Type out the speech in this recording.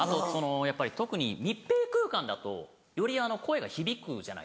特に密閉空間だとより声が響くじゃないですか。